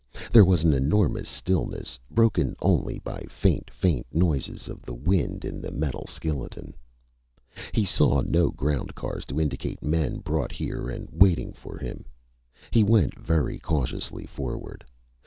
There was an enormous stillness, broken only by faint, faint noises of the wind in the metal skeleton. He saw no ground cars to indicate men brought here and waiting for him. He went very cautiously forward.